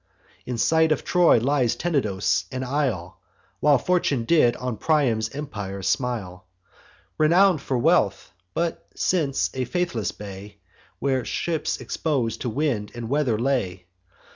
In sight of Troy lies Tenedos, an isle (While Fortune did on Priam's empire smile) Renown'd for wealth; but, since, a faithless bay, Where ships expos'd to wind and weather lay.